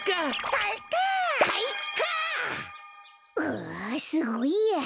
うわすごいや。